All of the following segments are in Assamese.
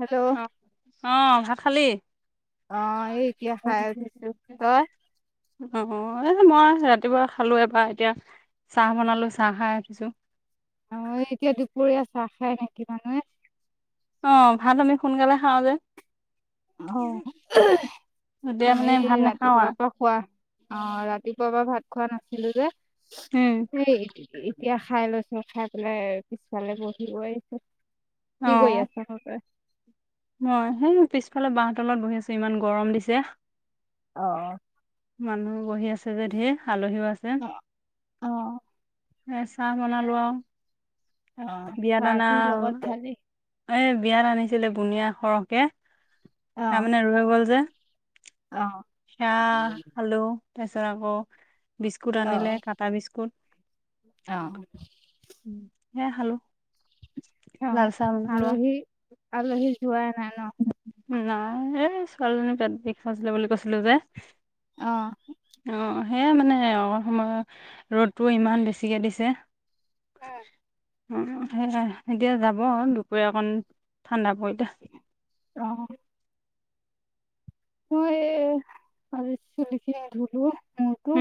হেল্ল' অ অ ভাত খালি? অ এতিয়া অ', খাই উঠিছোঁ, তই? ম মই ৰাতিপুৱা খালোঁ এবাৰ এতিয়া চাহ বনালো চাহ খাই উঠিছোঁ। অ এতিয়া দুপৰীয়া চাহ খাই নেকি মানুহে? অ ভাত আমি সোনকালে খাওঁ যে। অ তেতিয়া মানে আমি ভাত নাখাওঁ ৰাতিপুৱা আৰু পৰা খোৱা অ ৰাতিপুৱাৰ পৰা ভাত খোৱা নাছিলোঁ যে উম, সেই এ এয়া খাই লৈছোঁ খাই পেলাই পিছফালে বহিব আহিছোঁ। কি কৰি আছক তই? ম সেই পিছফালে বাঁহ তলত বহি আছোঁ ইমান গৰম দিছে অ মানুহ বহি আছে যে ধেৰ আলহিও আছে অ অ চাহ বনালো আও অ চাকি লগত খালি এ বিয়াত আনিছিলে বুনিয়া সৰহকে অ তাৰমানে ৰৈ গল যে অ হাঁহ আলো তাৰপিছত আকৌ বিস্কুট অ আনিলে কাটা বিস্কুট অ উম। হে খালোঁ অ লাল চাহ বনালো আৰু। আলহী আলহী যোৱাই নাই ন। নাই এই ছোৱালীজনী পেট বিষাই আছিলে বুলি কৈছিলোঁ যে। অহ অ সেয়ে মানে অলণ সময় ৰ'দটো ইমান বেছিকে দিছে। উম উ সেয়াই এতিয়া যাব দুপৰীয়া অকণ ঠাণ্ডা পৰিলে। অহ মই এ আজি চুলিখিন ধুলোঁ। মোৰতো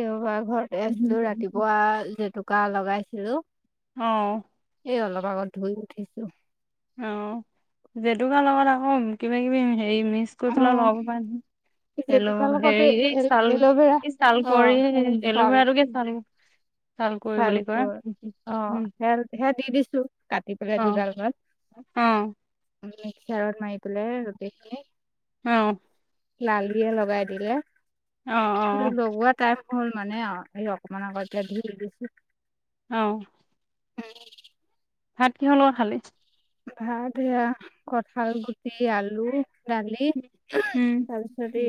দেওবাৰ ঘৰতে আছিলোঁ ৰাতিপুৱা যিহেতু। বুকা লগাইছিলোঁ। অহ এই অলপ আগত ধুই উঠিছোঁ। অ জেতুকাৰ লগত আকৌ কিবা কিবি হেৰি মিচ অ কৰি পেলাই লগাব পাৰে। জেতুকাৰ এলো' লগতে হেৰি এই এল চাল এল'ভেৰা এই চাল অ কোৱৰি এলোভেৰা টোকে চাল কুঁৱৰী চাল বুলি কয় কোৱৰ অ উম হে সেয়াত দি দিছে কাটি পেলাই অঁ দুডালমান অঁ মিক্সাৰত মাৰি পেলাই গোটেই খিনি অ লালিয়ে লগাই দিলে। অহ অহ। লগোৱা টাইম হ'ল মানে অ এই অকমান আগত এতিয়া ধুই দিছো। অ উম কি হ লগত খালি চাহ। ভাত এয়া কঠাল গুটি আলু দালি উম। তাৰপিছত ই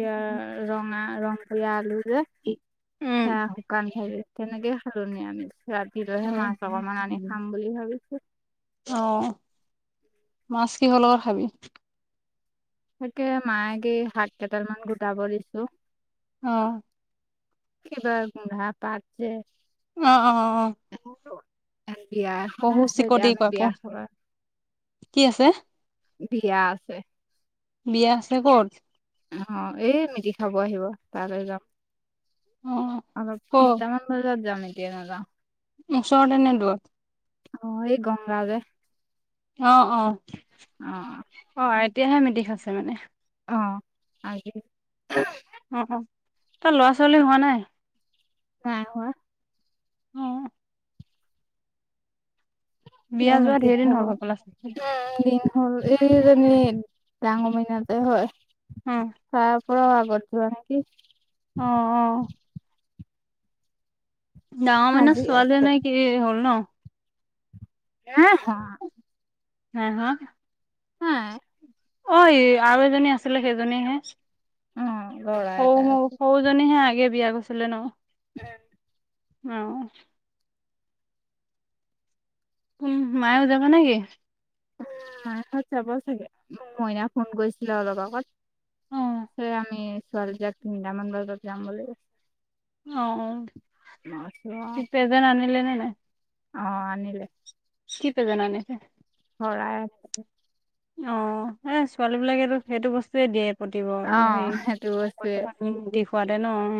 ৰঙা ৰং দিয়া আলু যে হে শুকান খ তেনেকে খালো নিৰামিষ ৰাতি লৈহে অ', মাছ অকমান আনি খাম বুলি ভাবিছো মাছ কিহ লগত খাবি তাকে মাক এই শাক কেইডাল মান গোটাব দিছো অহ কিবা ভাপাত যে অ অ অ বিয়া এখন পহু আছে এতিয়া চিকটি আমি কয় বিয়া পহু খাম কি আছে বিয়া আছে বিয়া আছে ক'ত অ এই মিতি খাব আহিব তালৈ যাম অ'। অলপ ক'ত তিনটামান বজাত যাম এতিয়া নাযাও ওচৰতে নে দূৰত অ এই গংগা যে অ অ অ অ এতিয়াহে মিতিৰ খাইছে মানে অ আজি অ অ তাৰ লৰা ছোৱালী হোৱা নাই নাই হোৱা? হ! বিয়া যোৱা কমিতি ধেৰ দিন হব হ'ল হ'বলা [inaudible] এইজনী ডাং অমিনাতে হয়। হুম। প্ৰবাহ কৰিব নেকি উম অ ডাঙৰ আজি মানত ছোৱালী আছে নে কি হ'ল ন নাই হোৱা হা হা অ আৰু এজনী আছিলে সেইজনীহে নাই অ ল'ৰা হৌ এটা ম আছে সৰুজনীহে আগে বিয়া কৰিছিলিলে ন উম আহ উম মায়েও যাবা নেকি মাহত যাব চাগে মোক মইনা ফোন কৰিছিলে অলপ আগত অ স আমি ছোৱালী জাক তিনিটামান বজাত যাম বুলি অ মই কৈছো ইতিয়া এজন আনিলে নাই অ আনিলে কি প্ৰেজেন্ট আনিছে শৰাই আনিছে অ এ ছোৱালী বিলাকেটো সেইটো বস্তুয়ে দিয়ে অ সেইটো বস্তুৱে [unintelligible] উম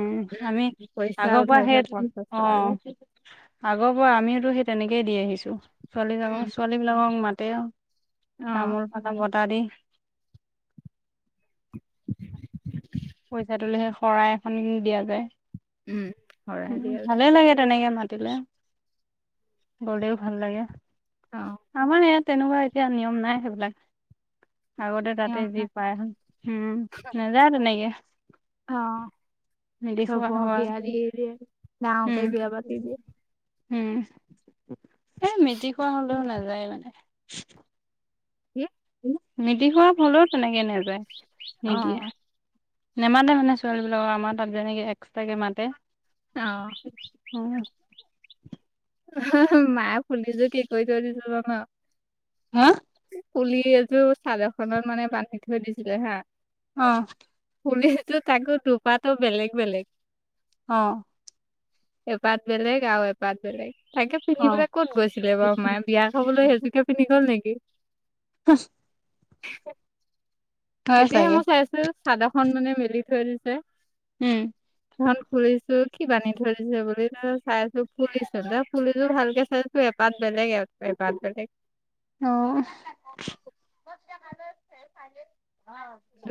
আমি পইচা আগৰ পৰা উঠাইছে সেই পঞ্চাশ অ টকাকে আগৰ পৰা আমিওতো সেই তেনেকেই দি আহিছো ছোৱালী জাংৰ ছোৱালী বিলাকক মাতে আৰু। অ তামোল পানৰ বটা দি। পইচাটোলে সেই শৰাই এখন দিয়া যায়। উম শৰাই উম দিয়ালে ভালে লাগে তেনেকে মাত তিলে গলেও ভাল লাগে, অ আমাৰ ইয়াত তেনেকুৱা এতিয়া নিয়ম নাই সেইবিলাক। আগতে তাতে নিয়ম যি নাই পায়, হুম নাযায় তেনেকে। অ। মিলি চব খোৱা হয় বিয়া দি দিয়ে, গাওঁকে উম বিয়া পাতি দিয়ে। উম এ মেটি খোৱা হলেও নাযায় মানে? কি? মিটি খোৱা ফালেও তেনেকে নেযায়। অ। নেমাতে মানে ছোৱালীবিলাকক আমাৰ তাত যেনেকে এক্সটাৰকে মাতে। অ। উম হুহ হু মায় ফুলিজো কি কৰি থই দিছে জান? হা! ফুলি এযোৰ চাদৰ এখনত মানে বান্ধি থৈ দিছিলে হা। অ। ফুলিজো তাকো দুপাটো বেলেগ বেলেগ। অ। এপাত বেলেগ আৰু এপাত বেলেগ। তাকে অ পিন্ধিবলে ক'ত গৈছিলে বাৰু মায়ে বিয়া খাবলৈ সেইজোকে পিন্ধি গ'ল নেকি? কচ এতিয়াহে চাগে মই চাইছোঁ চাদৰখন মানে মেলি থৈ দিছে। উম। ধন খুৰিছো কি বান্ধি থৈদিছে বুলি চাইছো ফুলি চো দে ফুলিযোৰ ভালকে চাইছো পাত বেলেগ এপাত বেলেগ। অ [unintelligible]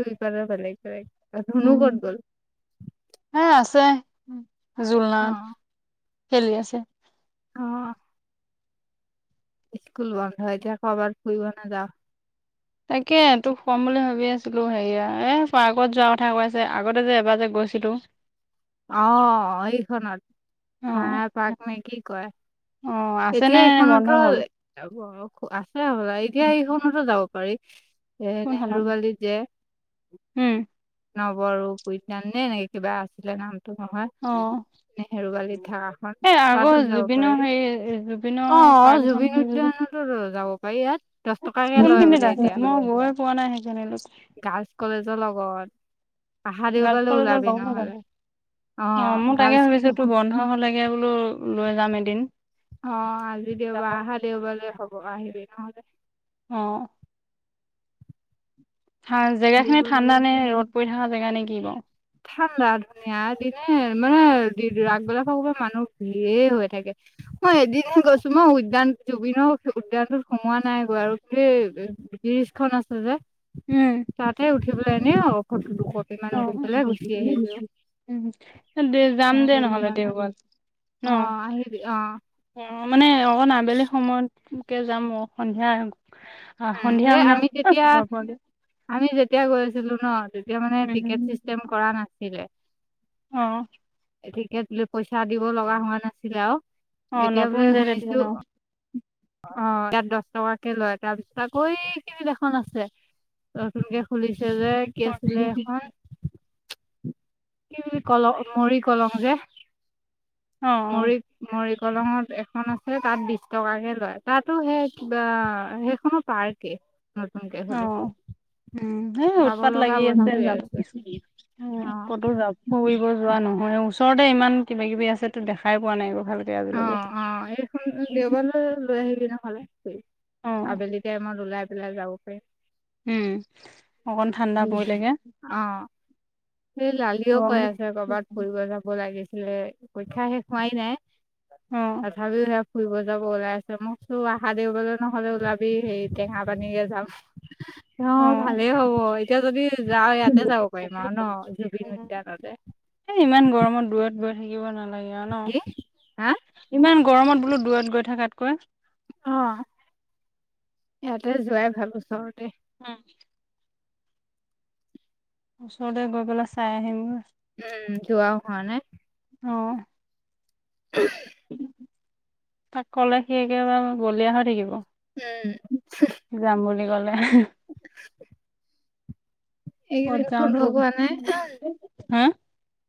দুই পাৰ বেলেগ বেলেগ, ধুনু উম কত গ'ল? জুলনাত অ', খেলি আছে। অ। স্কুল বন্ধ হয় যকবাৰ ফুৰিব ন যাও। তাকে তোক কম বুলি ভাবি আছিলো হেৰিয়া এ পাৰ্কত যোৱাৰ কথা কৈ আছে আগতে যে এবাৰ যে গৈ কৈছেটো। অ এইখনত, অ মায় পাক নে কি কয়? অ এতিয়া আছেনে বন্ধ এইখনতো হ'ল হ আছে হল এতিয়া এইখনতো যাব পাৰি। সে কোনখনত নেহেৰুৱালিত যে উম নৱৰো উদ্যান নে এনেকে কিবা আছিলে নামটো নহয় অ নেহেৰুবালিত। এ আগৰ তাতো যাব জুবিনৰ পাৰি, হেৰি জুবিনৰ অ পাৰ্ক এখন জুবিন উদ্যানতো যাব পি হৈয়াত। কোনখিনিত গ আ মই গৈ পোৱা নাই সেইজন লোকে। গাৰ্লছ কলেজৰ লগত আহা গাৰ্ল ফ দেওবাৰলৈ ওলাবি বাব ন জ নহ'লে। [inaudible] অ মোক তাকে ভাবিছো তোৰ বন্ধ হলে কে বোলো লৈ যাম এদিন। অ আজি দেওবাৰ আহা দেওবাৰেলৈ হব আহিবি নহলে। অ। ঠা জেগাখিনি ঘূৰিবলৈ ঠাণ্ডা নে ৰদ পৰি থকা জেগা নে কি বাৰু? ঠাণ্ডা ধুনীয়া দিনে মানে আগবেলা খ মানুহ ভিৰ হৈ থাকে। মই এদিনহে গৈছো মই উদ্যান জুবিনৰ উদ্যানটোত সোমোৱা নাই গৈ আৰু দেই। ত্ৰিশ খন আছে যে, উম তাতে উঠি পেলাই এনে অ শ দুশটি মান উঠি পেলাই গুচ উম দে যাম দে তেনেকে নহ'লে যোৱা নাই দেওবাৰ। ন? অ আহিবি অ। অ মানে অক আবেলি সময়তকে যাম অ সন্ধিয়া। আহ উম সন্ধিয়া সে মানে আমি তেতিয়া ঘৰ পোৱাকে আমি যেতিয়া তেতিয়া গৈ আছিলো ন তেতিয়া মানে টিকেট চিষ্টেম কৰা নাছিলে। আহ। এতিকে তো পইচা দিব লগা হোৱা নাছিলে আও। অ' এতিয়া নতুন বোলে যে তেতিয়া শুনিছো ন? অ। তাত দহ টকাকে লয় তাৰ পিছত আকৌ এই কিনি এখন আছে নতুনকে খুলিছে। তে যে কি অ' আছিলে এখন কি কলং মৰি কলং যে অ' মৰি মৰি দলঙত এখন আছে তাত বিশ টকাকে লয় তাতো সেই সেইখনো পাৰ্কে অ' [inaudible] উম হ চাব উৎপাত লগা লাগি আছে বস্তুৱে য অ কতো য ফৰিব যোৱা নহ ম ওচৰতে ইমান কিবা কিবি আছে টো দেখাই পোৱা নাই বাৰু। অ অ এইখন দেওবাৰৈ লৈ আহিবি নহলে। অ' আবেলিতে মই ওলাই পেলাই যাব পাৰিম। উম অকণ ঠাণ্ডা পৰিলেগে। স লালিও গৰম কৈ আছে কৰবাত ফুৰিব যাব লাগিছিলে পৰীক্ষা শেষ হোৱাই নাই। অ' তথাবিও হে ফুৰিব যাব ওলাই আছে মোক চোন আহা দেওবাৰেলৈ নহলে ওলাবি হেই টেঙা পানীকে যাম। অ ভালেই হব এতিয়া যদি যা ইয়াতে যাব পাৰিম আও ন। জুবিন উদ্যানতে সেই ইমান গৰমত দূৰত গৈ থাকিব নালাগে। লাগ ন কি হা ইমান গৰমত বোলো দূৰত গৈ থাকাতকৈ অঁ ইয়াতে যোৱাই ভাল ওচৰতে উম। ওচৰতে গৈ পেলাই চাই আহিমগৈ। উম যোৱা হোৱা নাই। অ [unintelligible] তাক ক'লে সেই একেবাৰ বলিয় হৈ থাকিব। উম। যাম [unintelligible] এইকেইদিন যাওঁ কি [unintelligible] হা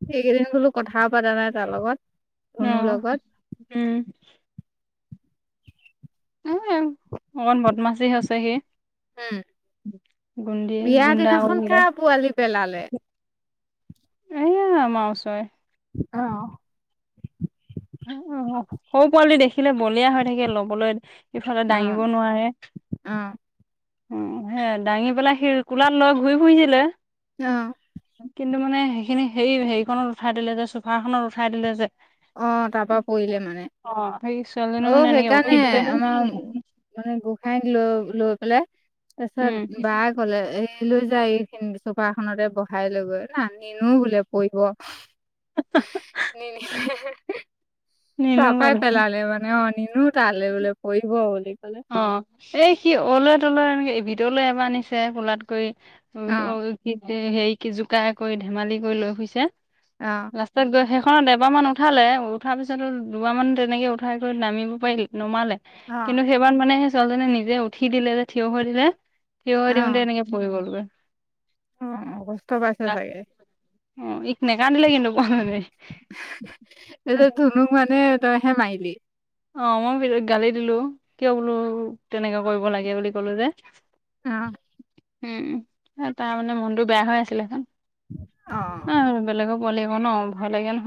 সেইকেইদিন বোলো কথা পতা নাই তাৰ লগত। কোনো আঁহ লগত উম। এ অকণ বদমাছি হৈছে সি। উম গুন্দি বিয়া গুণ্ডা কৰি দিনাখন থাকিব কা পোৱালি পেলালে? এয়া আমাৰ ওচৰে। অঁ। সৰু পোৱালি দেখিলে বলিয়া হৈ থাকে লবলৈ। সিফালে অ দাঙিব নোৱাৰে। অ উ সে দাঙি পেলাই স কোলাত লৈ ঘূৰি ফুৰিছিলে। আহঁ। কিন্তু মানে সেইখিনি সে হেৰিখনত উঠাই দিলে যে চোফাখনত উঠাই দিলে যে। অঁ তাৰ পৰা পৰিলে মানে সেই ছোৱালীজনী অঁ মানে এনেকে উঠি সেইকাৰণে দিলে আমাৰ মানে গোসাঁইক লৈ লৈ কলে তাৰ উম পিছত বা কলে এই লৈ এই চোফা খনতে বহাই লৈ গৈ না নিনো বোলে পৰিব। [unintelligible] নিনো তাৰপৰাই বাবে পেলালে মানে অঁ। তাললে বোলে পৰিব বুলি। কলে অঁ এ সেই অঁলে তলে এনেকে ভিতৰলৈ এবাৰ আনিছে কোলাতক অ কি হেৰি কি জোকাৰ কৰি ধেমালি কৰি লৈ ফুইছে অ ৰাস্তাত গৈ হে। খনত এবাৰমান উঠালে উঠাৰ পিছতো দুবাৰমান তেনেকৈ উঠাই গৈ নামিব পাৰিল নমালে হাঁ কিন্তু সেইবাৰ মানে সেই ছোৱালীজনীৰ নিজে উঠি দিলে যে থিয় হৈ দিলে থিয় হৈ দিমতে এনেকে পৰি গলগৈ অঁ কষ্ট পাইছ চাগে। অঁ ই নাকান্দি লে কিন্তু। এতি ধুনুক মানে তই হে মাইলি অঁ মই গালি দিলো কিয় বোলো তেনেককাে কৰিব লাগে বুলি কলো যে আহঁ। উম তাৰ মানে মনটো বেয়া হৈ আছিলে সেই অহঁ যাব লাগিব ন ভয় লাগে নহ।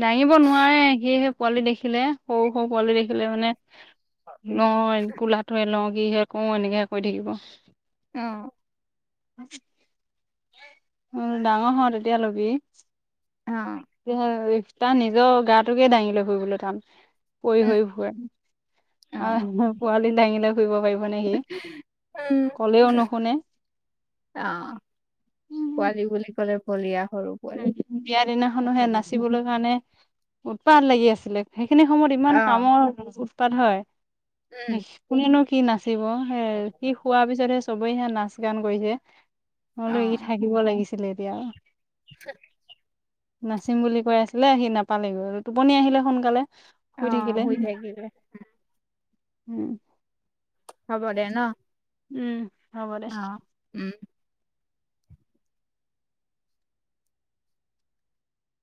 দাঙিব নোৱাৰে সি সেই পোৱালি দেখিলে সৰু সৰু পোৱালি দেখিলে মানে ল কোলাটো লওঁ কি সে ক এনেকে কৰি থাকিব অহঁ। ডাঙৰ হওঁ তেতিয়া লবি অ তাৰ নিজৰ গা টোকে দাঙিলৈ ফুৰিবলৈ টান পৰি উম হৈ ফৰে অ পোৱালি দাঙিলে ফুৰিব পাৰিব নেকি উম ক'লেও নুশুনে অ পোৱালি বুলি ক'লে। বলিয়া সৰু পোৱালি বিয়া দিনাখনোহে নকৰিবি। নাচিবলৈ কাৰণে উতপাত লাগি আছিলে সেইখিনি সময়ত অ ইমান কামৰ উৎপাত হয় উম সেই কোনেনো কি নাছ- চিব হে সি শোৱাৰ পিছতহে চবেই সে নাচ গান কৈছে। মই অ বোলো ই থাকিব লাগিছিলে এতিয়া। থে নাচিম বুলি কৈ আছিলে সি নাপালেগৈ টোপনি আহিলে সোনকালে। অ শুই থাকিলে। উম। হ'ব দে ন। উম। হ'ব দে অ উম।